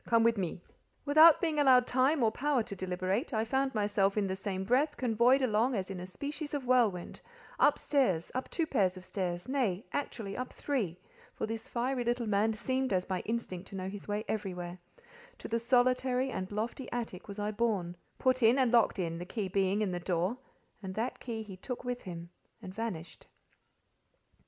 Come with me." Without being allowed time or power to deliberate, I found myself in the same breath convoyed along as in a species of whirlwind, up stairs, up two pair of stairs, nay, actually up three (for this fiery little man seemed as by instinct to know his way everywhere); to the solitary and lofty attic was I borne, put in and locked in, the key being, in the door, and that key he took with him and vanished.